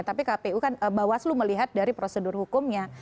tapi kpu kan bawaslu melihat dari prosedur hukumnya